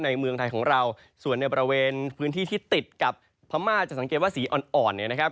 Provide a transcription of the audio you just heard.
เมืองไทยของเราส่วนในบริเวณพื้นที่ที่ติดกับพม่าจะสังเกตว่าสีอ่อนอ่อนเนี่ยนะครับ